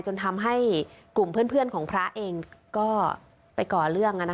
จนทำให้กลุ่มเพื่อนของพระเองก็ไปก่อเรื่อง